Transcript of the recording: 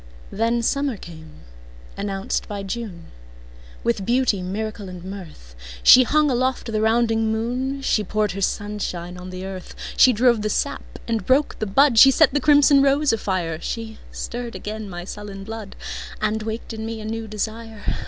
Then summer came, announced by June, With beauty, miracle and mirth. She hung aloft the rounding moon, She poured her sunshine on the earth, She drove the sap and broke the bud, She set the crimson rose afire. She stirred again my sullen blood, And waked in me a new desire.